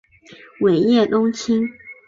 尾叶冬青